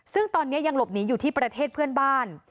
ซึ่งตอนนี้ยังหลบหนีอยู่ที่ประเทศเพื่อนบ้าน